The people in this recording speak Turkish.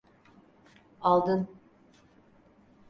Aldın.